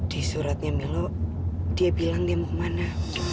di suratnya milo dia bilang dia mau ke mana